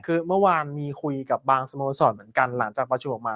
คือเมื่อวานมีคุยกับบางสโมสรเหมือนกันหลังจากประชุมออกมา